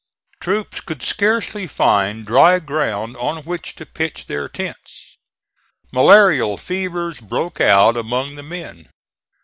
Troops could scarcely find dry ground on which to pitch their tents. Malarial fevers broke out among the men.